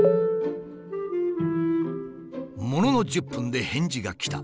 ものの１０分で返事が来た。